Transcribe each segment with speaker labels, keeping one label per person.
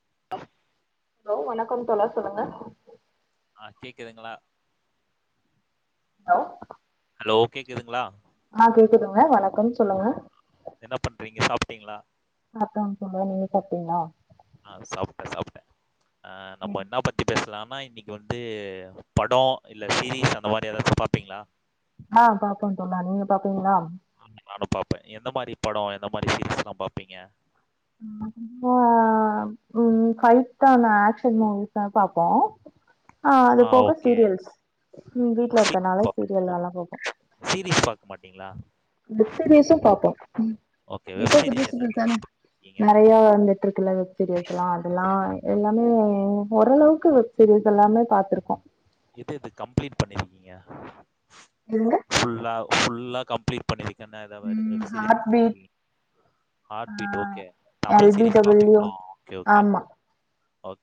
Speaker 1: [inaudible]
Speaker 2: Hello வணக்கம் தோழர் சொல்லுங்க
Speaker 1: ஆ கேக்குதுங்களா
Speaker 2: ஹலோ
Speaker 1: ஹலோஓ கேக்குதுங்களா
Speaker 2: ஆஹ் கேக்குதுங்க வணக்கம் சொல்லுங்க
Speaker 1: என்ன பண்றீங்க சாப்பிட்டீங்களா
Speaker 2: சாப்டோம் தோழர் நீங்க சப்பிட்டீங்களா
Speaker 1: ஆஹ் சாப்ட்டே சாப்ட்டே ஆஹ் நம்ம என்ன பத்தி பேசலாம் நா இன்னைக்கு வந்து படோம் இல்ல சீரிஸ் அந்த மாதிரி ஏதாச்சு பாப்பீங்களா
Speaker 2: ஆஹ் பாப்போ தோழா நீங்க பாப்பீங்களா
Speaker 1: ஆ நானும் எந்த மாரி படம் எந்த மாரி சீரீஸெல்லா பாப்பீங்க
Speaker 2: உம் உம் ஃபைட்டான ஆக்ஷன் மூவிஸ் தா பாப்போம் ஆஹ் அது
Speaker 1: ஆ
Speaker 2: போக
Speaker 1: ஓகே.
Speaker 2: சீரியல்ஸ் ம் வீட்ல இருக்குறனால
Speaker 1: சீரிஸ் பாப்
Speaker 2: சீரியல்ல்லா நல்லா பாப்போம்
Speaker 1: சீரிஸ் பாக்க மாட்டீங்களா?
Speaker 2: வெப் சீரிஸும் பாப்போம்
Speaker 1: ஓகே. வெப்
Speaker 2: இப்போ
Speaker 1: சீரிஸ்
Speaker 2: புதுசு
Speaker 1: என்ன
Speaker 2: இது தானே
Speaker 1: இருக்கீங்க?
Speaker 2: நெறைய வந்துட்டு இருக்குல்ல வெப் சீரியஸ்லா அதெல்லா எல்லா மே ஓரளவுக்கு வெப் சீரிஸ் எல்லாமே பாத்துருக்கோ
Speaker 1: எது எது கம்ப்ளீட் பண்ணிருக்கீங்க
Speaker 2: நீங்க
Speaker 1: ஃபுல்லா ஃபுல்லா கம்ப்ளீட் [inaudible] தன் நேரோ ஒரு
Speaker 2: ம்
Speaker 1: web series
Speaker 2: heart beat
Speaker 1: [inaudible] heartbeat okay
Speaker 2: ஆ எல்
Speaker 1: தமிழ்
Speaker 2: பி
Speaker 1: சீரியஸ்
Speaker 2: டபிள்யூ
Speaker 1: பாப்பீங்ளோ ஓகே
Speaker 2: ஆமா
Speaker 1: ஓகே ஓ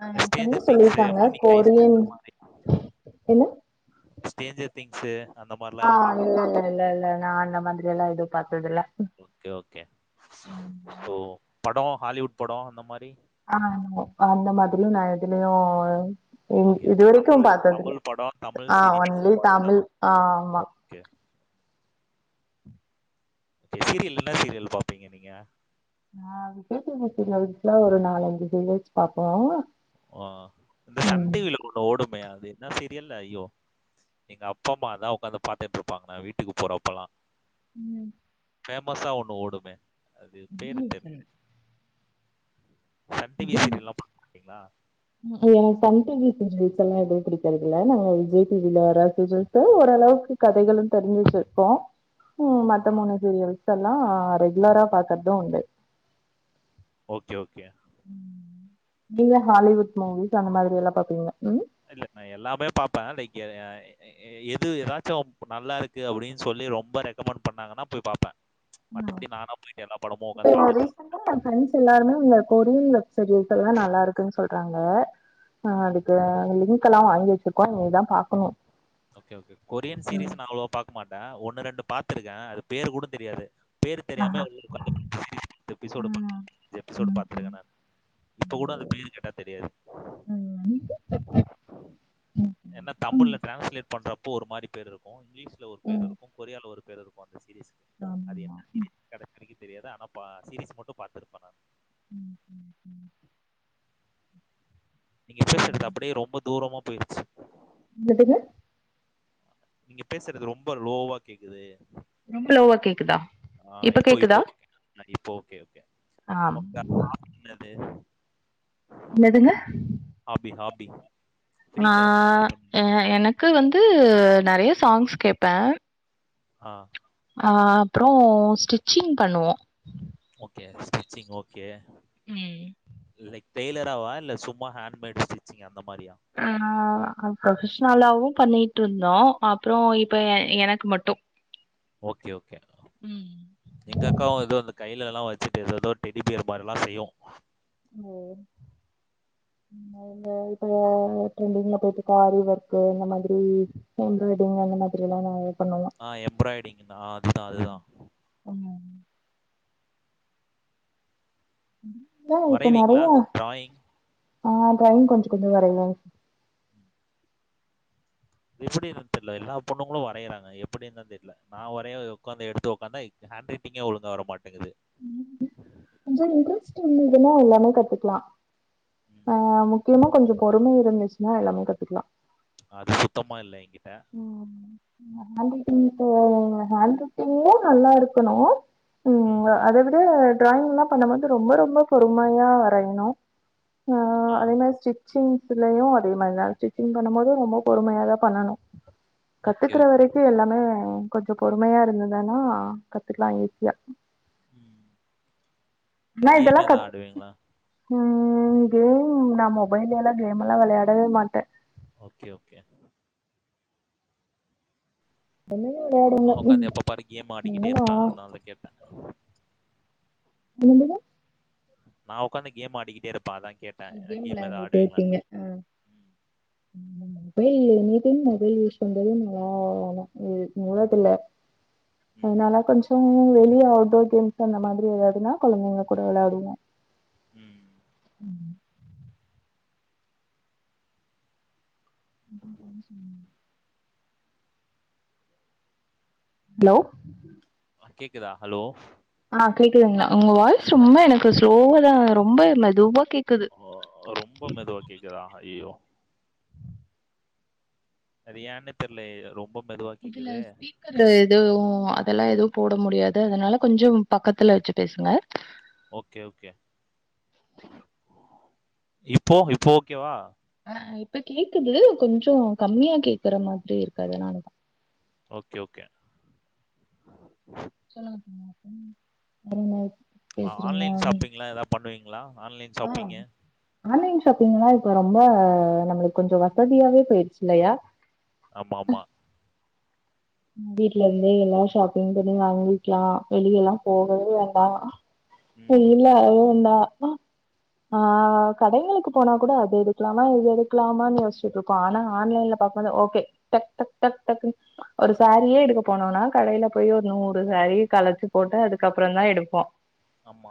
Speaker 2: ஆ இப்ப என்ன சொல்லிருக்காங்க
Speaker 1: ஹெய்ஸ்ட்
Speaker 2: கொரியன்
Speaker 1: இந்த
Speaker 2: என்ன
Speaker 1: ஸ்டேஞ்சர் திங்ஸு அந்த மாரிலாம்
Speaker 2: ஆ
Speaker 1: எதுவும் பார்க்க
Speaker 2: இல்ல இல்ல இல்ல இல்ல நா அந்த மாதிரி எல்லா எது பாத்ததில்ல
Speaker 1: ஓகே ஓகே ஓ படோ‌ ஹாலிவுட் படோ அந்த மாரி
Speaker 2: ஆ அந்த மாதிரியு நா எதுலயு ஓ
Speaker 1: ஓகே. அப்ப
Speaker 2: இதுவரைக்கு
Speaker 1: தமிழ்
Speaker 2: பாத்ததில்ல
Speaker 1: தமிழ் படம், தமிழ்
Speaker 2: ஆ
Speaker 1: சீரியல் இந்த
Speaker 2: ஒன்லி
Speaker 1: மாரி தான்.
Speaker 2: தமிழ் ஆ ஆமா
Speaker 1: ஓகே, ஓகே சீரியல் என்ன சீரியல் பாப்பீங்க நீங்க
Speaker 2: நா விஜய் டி வி சீரியல்ஸ்லா ஒரு நாலஞ்சு சீரியல்ஸ் பாப்போ
Speaker 1: ஆ இந்த
Speaker 2: ம்
Speaker 1: சன் டி வி ல கூட ஓடு மே அது என்ன சீரியல் ஐயோ எங்கப்பா அம்மாலா ஒக்காந்து பாத்துட்ருப்பாங்க நா வீட்டுக்கு போறப்பல்லா
Speaker 2: ம்
Speaker 1: ஃபேமஸ்ஸா ஒன்னு ஓடுமே அது
Speaker 2: விஜய்
Speaker 1: பேரு
Speaker 2: டிவி
Speaker 1: தெர்ல சன் டி வி சீரியல்லா பாக் மாட்டீங்களா
Speaker 2: [inaudible] எனக் சன் டி வி சீரியல்ஸ் எல்லா எதுவு பிடிக்கறதில்ல நாங்க விஜய் டி வி ல வர சீரியல்ஸ் தா ஓரளவுக்கு கதைகளு தெரிஞ்சு வச்சுர்க்கோ ம்
Speaker 1: ஆ.
Speaker 2: மத்த மூணு சீரியல் ஸல்லா ரெகுலரா பாக்கறது உண்டு
Speaker 1: ஓகே ஓகே
Speaker 2: ம் நீங்க ஹாலிவுட் மூவிஸ் அந்த மாதிரி எல்லா‌ பாப்பீங்க ம்
Speaker 1: இல்ல நா எல்லாமே பாப்ப லைக் எ அ எ எ எ எது எதாச்சு நல்லாருக்கு அப்டின் சொல்லி ரொம்ப ரெக்கமண்ட் பண்ணாங்கன்னா போய் பாப்ப
Speaker 2: [inaudible] இப்போ
Speaker 1: பார்த்துட்டு இருப்பேன்.
Speaker 2: ரீசன்டா எ ஃபிரண்ட்ஸ் எல்லாருமே இந்த கொரியன் வெப்சீரியல்ஸ் எல்லா நல்லாருக்குன் சொல் க்கறாங்க ஆ
Speaker 1: ம்.
Speaker 2: அதுக்கெல்லா [unintelligible] கல்லா வாங்கி வெச்சுருக்கோ இனி தா பாக்கணு
Speaker 1: ஓகே ஓகே கொரியன்
Speaker 2: ம்
Speaker 1: சீரிஸ் நா அவ்ளோ பாக் மாட்ட ஒன்னு ரெண்டு பாத்துருக்கே அது பேர் கூட தெரியாது பேர் தெரியாம
Speaker 2: ஆஹா.
Speaker 1: [inaudible]
Speaker 2: ஆ.
Speaker 1: எபிசோடு [inaudible] எபிசோடு
Speaker 2: ம் ம்
Speaker 1: பாத்துருக்கே நானு இப்ப கூட அது
Speaker 2: ம்
Speaker 1: பேரு கேட்டா தெரியாது
Speaker 2: ம் ம்
Speaker 1: ஏனா
Speaker 2: ம்
Speaker 1: தமிழ்ல ஸ்லேட் பண்றப்போ ஒரு மாரி பேர் இருக்கு இங்லீஷ்ல ஒரு பேர் இருக்கு கொரியன்ல ஒரு [unintelligible] அது
Speaker 2: ஆமா
Speaker 1: என்னன்னு
Speaker 2: ம்
Speaker 1: கடைசி வரைக்கும் தெரியாது ஆனா பா சீரீஸ் மட்டு பாத்துருப்ப நா
Speaker 2: ம் ம் ம்
Speaker 1: நீங்க [unintelligible] அப்டியே ரொம்ப தூரமா போய்டுச்சி
Speaker 2: எதுங்க
Speaker 1: நீங்க பேசுறது ரொம்ப லோவா கேக்குது
Speaker 2: ரொம்ப லோவா கேக்குதா
Speaker 1: ஆ
Speaker 2: இப்ப
Speaker 1: இப்போ
Speaker 2: கேக்குதா
Speaker 1: இப்போ ஓகே. அ இப்போ ஓகே, ஓகே.
Speaker 2: ஆ ம்
Speaker 1: உங்க ஹாபி என்னது?
Speaker 2: என்னதுங்க
Speaker 1: பி
Speaker 2: நா அ எனக்கு வந் து நறைய சாங்ஸ் கேப்ப
Speaker 1: ஆ
Speaker 2: ஆ அப்றோ ஸ்டிச்சிங் பண்ணுவோ
Speaker 1: ஓகே ஸ்டிச்சிங் ஓகே
Speaker 2: ம்
Speaker 1: லைக் டெய்லராவ இல்ல சும்மா ஹேண்ட் மேட் ஸ்டிச்சிங்கா
Speaker 2: ஆ ஃப்ரொபஷ்னலாவும் பண்ணிட் ட்ருந்தோ அப்றோ இப்ப எனக்கு மட்டு
Speaker 1: ஓகே ஓகே
Speaker 2: ம்
Speaker 1: எங்க அக்காவு எதோ அந்த கைலலா வச் சிட்டு ஏதேதோ டெடி பியர் மாரிலா செய்யு
Speaker 2: ஓ இங்க இப்ப ட்ரென்டிங்ல போயிட்டு இருக்க ஆரி ஒர்க்கு இந்த மாதிரி எம்ப்ராய்டிங் அந்த மாதிரிலா நா
Speaker 1: ஆ எம்ப்ராய்ரடிங் தா ஆ அதுதா அதுதா
Speaker 2: ஆ இப்ப
Speaker 1: வரைவீங்ளா
Speaker 2: நெறைய
Speaker 1: ட்ராயிங்
Speaker 2: ஆ ட்ராயிங் கொஞ்சக் கொஞ்சொ வரைவங்
Speaker 1: இது எப்டி என்னன் தெர்ல எல்லா பொண்ணுங்குளு வரையறாங்க எப்டின்தா தெர்ல நா வரைய உக்காந்த எடுத்து உக்காந்தா ஹேண்ட் ரைட்டிங்கே ஒழுங்கா வரமாட்டேங்குது
Speaker 2: கொஞ்சொ இன்ட்ரெஸ்ட் இருதுதுன்னா எல்லாமே கத்துக்லா
Speaker 1: ம்.
Speaker 2: ஆ ஆமா முக்கியமா கொஞ்சொ பொறுமை இருந்துச்சின்னா எல்லாமே கத்துக்லா
Speaker 1: அது சுத்தமா இல்ல எங்கி
Speaker 2: ம் ஹேண்ட்ரைடிங்கே ஹேண்ட்ரைட்டிங்லா நல்லா இருக்கணு ம் அ அதவிட டிராயிங் எல்லா பண்ணபோது ரொம்ப ரொம்ப பொறுமையா வரையனு ஆ அதே மாரி ஸ்டிச்சிங் இதலயு அதே மாரி தா ஸ்டிச்சிங் போ நம்போ வந்து ரொம்ப பொறுமையாதா பண்ணனு
Speaker 1: ஓகே,
Speaker 2: கத்துக்கற
Speaker 1: ஓகே.
Speaker 2: வரைக்கு எல்லாமே கொஞ்சோ பொறுமையா இருந்துர்ந்தனா கத்துக்கலா ஈசியா
Speaker 1: ம்
Speaker 2: நா
Speaker 1: கேம்
Speaker 2: இதெல்லா
Speaker 1: எதா
Speaker 2: கத்
Speaker 1: ஆடுவீங்களா?
Speaker 2: ம் ம் நா மொபைல் எல்லா கேமெல்லா வெளையாடவே மாட்டே
Speaker 1: ஓகே ஓகே
Speaker 2: விளையாடுங்க
Speaker 1: ஆ
Speaker 2: ம்
Speaker 1: ஒக்காந்து எப்ப பாரு கேம்மா ஆடிக்கிட்டே இருப்பே
Speaker 2: என்னனா
Speaker 1: அதனால்தா கேட்டே
Speaker 2: என்னது
Speaker 1: நா ஒக்காந்து கேம் ஆடிக்கிட்டே இருப்
Speaker 2: கேம் வெளையாண்ட்டுட்டு இருப்பீங்க ஆ
Speaker 1: ம்.
Speaker 2: [unintelligible] Mobile any time mobile use பண்றது நல்லா வேனா [unintelligible] உலோத்துல்ல
Speaker 1: ம்.
Speaker 2: அதனால கொஞ்சோ அ வெளிய அவுட்டோர் கேம்ஸ் அந்த மாதிரி வெளையாட்டுனா கொழந்தைங்க கூட வெளாடுவோ
Speaker 1: ம்
Speaker 2: [unintelligible] சொ ஹலோ
Speaker 1: கேக்குதா ஹலோ
Speaker 2: அ கேக்குதுங்களா உங்க வாய்ஸ் ரொம்ப எனக்கு ஸ்லோவா தா ரொம்ப மெதுவா கேக்
Speaker 1: ஒ ரொம்ப மெதுவா கேக்குதா ஐயோ அது ஏனே தெரிலே ரொம்ப மெதுவா
Speaker 2: இதுல
Speaker 1: கேக்குதே.
Speaker 2: ஸ்பீக்கரு எதுவு அதெல்லா எதுவு போட முடியாது அதனால கொஞ்சும் பக்கத்துல வச்சு பேசுங்க
Speaker 1: ஓகே ஓகே இப்போ இப்போ ஓகே வா
Speaker 2: ஆ இப்ப கேக்குது கொஞ்சோ கம்மியா கேக்குற மாதிரி இருக்குது அதனால தா
Speaker 1: ஓகே ஓகே
Speaker 2: சொல்லுங்க வேறென்ன
Speaker 1: ஆ ஆன்லைன் ஷாப்பிங்லா எதா பண்ணுவீங்களா ஆன்லைன் ஷாப்பிங்கு
Speaker 2: ஷாப்பீங்கனா இப்ப ரொம்ப நம்மளுக்கு கொஞ்சோ வசதியாவே போயிருச்சு இல்லையா
Speaker 1: ஆமாமா.
Speaker 2: வீட்ல இருந்தே எல்லாரு ஷாப்பிங் பண்ணி வாங்கிக்கலா வெளிய எல்லா போகவே வேண்டா
Speaker 1: ம்.
Speaker 2: இல்ல அதுவு தா ஆஹ் கடைங்களுக்கு போனா கூட அது எடுக்கலாமா இது எடுக்கலாமான்னு யோசிச்சட்டு இருக்கோ ஆனா ஆன்லைன்ல பாக்கும் போது ஓகே டக் டக் டக் டக் ஒரு சாரியே எடுக்க போனோனா கடையில போய் ஒரு நூறு சாரி கலைச்சு போட்டு அதுக்கப்புறந்தா எடுப்போ
Speaker 1: ஆமா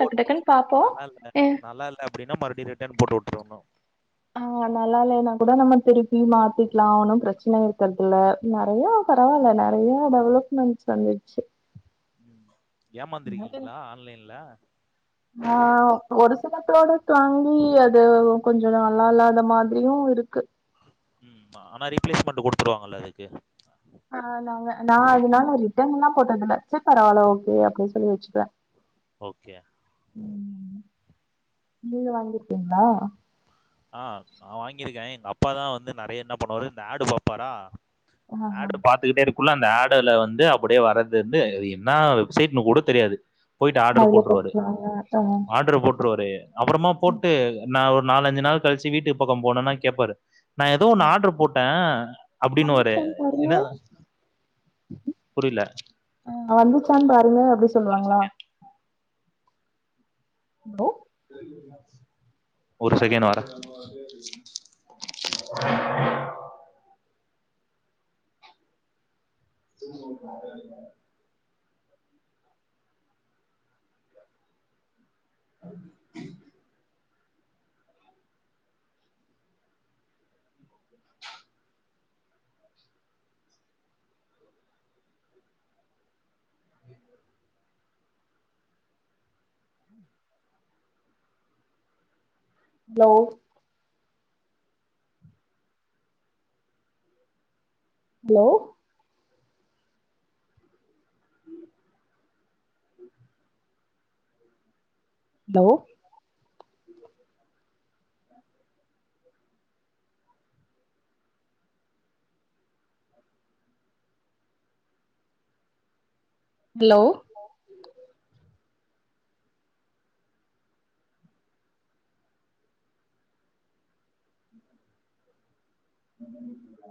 Speaker 2: டக்கு டக்குன்னு பாப்போம்.
Speaker 1: நல்லா இல்ல
Speaker 2: அ
Speaker 1: நல்லா இல்ல அப்படின்னா மறுபடியு ரிட்டர்ன் போட்டு விட்டுருணு
Speaker 2: ஆஹ் நல்லா இல்லன்னா கூட நம்ம திருப்பி மாத்திக்கலா ஒன்னு பிரச்சனை இருக்கிறதுல நெறைய பரவாயில்ல நெறைய டெவலப்மெண்ட்ஸ் வந்துடுச்சு
Speaker 1: உம் ஏமாந்திருக்கீங்களா ஆன்லைன்ல
Speaker 2: ஆஹ் ஒரு சில ப்ராடக்ட் வாங்கி அது கொஞ்ச நல்லா இல்லாத மாதிரியும் இருக்கு
Speaker 1: ம் ஆனா ரீப்ளேஸ்மெண்ட் கொடுத்துருவாங்கல்ல அதுக்கு
Speaker 2: போட்டதுல்ல சொ பரவால ஓகே அப்டின் சொல்லி வச்சுக்குவே
Speaker 1: ஓகே
Speaker 2: நீங்க வாங்கி இருக்கீங்களா
Speaker 1: ஆஹ் நா வாங்கியிருக்கே எங்க அப்பாதா வந்து நெறைய என்ன பண்ணுவாரு இந்த ஆடுபாப்பாரா
Speaker 2: ஆஹா
Speaker 1: ஆடு பாத்துக்கிட்டே இரு குள்ள அந்த ஆடு ல வந்து அப்படியே வர்றது இருந்து என்னா வெப்சைட்னு கூட தெரியாது போயிட்டு ஆர்டர்
Speaker 2: அதுல
Speaker 1: போட்ருவாரு
Speaker 2: போட்டுருவாங்க ஆ
Speaker 1: ஆர்டரு போட்ருவாரு அப்புறமா போட்டு நா ஒரு நாலஞ்சு நாள் கழிச்சி வீட்டுக்கு பக்க போனேன்னா கேப்பாரு அப்படின்னுவாரு.
Speaker 2: வந்துச்சானு பாருங்க
Speaker 1: என்ன புரியல.
Speaker 2: அஹ் வந்துச்சானு பாருங்க அப்படி சொல்லுவாங்களா ஹலோ
Speaker 1: ஒரு செகன்ட் வரே [unintelligible] [inaudible] உ
Speaker 2: உம் [inaudible] ஹலோ ஹலோ
Speaker 1: உம் [inaudible]
Speaker 2: ப்லோ
Speaker 1: [inaudible]
Speaker 2: ஹலோ
Speaker 1: [inaudible]